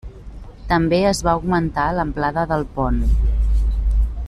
També es va augmentar l'amplada del pont.